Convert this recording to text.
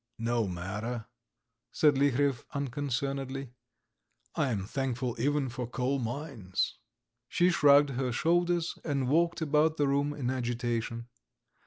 "No matter," said Liharev, unconcernedly, "I am thankful even for coal mines." She shrugged her shoulders, and walked about the room in agitation.